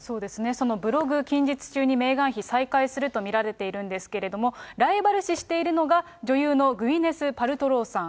そのブログ、近日中にメーガン妃、再開すると見られているんですけれども、ライバル視しているのが、女優のグウィネス・パルトロウさん。